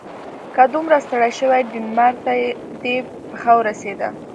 که دومره ستړی شوې ډنمارک ته دې پښه ورسیده.